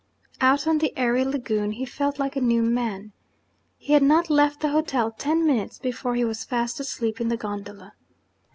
Out on the airy Lagoon, he felt like a new man. He had not left the hotel ten minutes before he was fast asleep in the gondola.